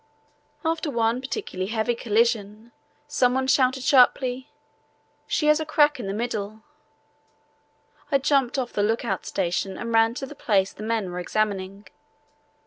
After one particularly heavy collision somebody shouted sharply, "She has cracked in the middle." I jumped off the look out station and ran to the place the men were examining.